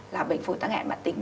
là bệnh phối tăng hẹn bản tính